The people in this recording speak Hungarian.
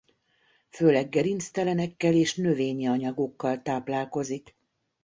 Főleg gerinctelenekkel és növényi anyagokkal táplálkozik.